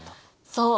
そう。